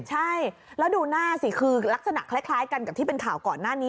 ใช่แล้วดูหน้าสิคือลักษณะคล้ายกันกับที่เป็นข่าวก่อนหน้านี้